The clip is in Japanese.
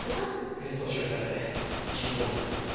冷凍処理されて一時保存されてます。